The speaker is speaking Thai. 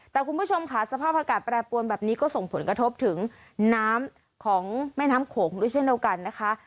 แต่คุณผู้ชมค่ะสภาพอากาศแปรปวนแบบนี้ก็ส่งผลกระทบถึงน้ำของแม่น้ำโขงด้วยเช่นเดียวกันนะคะ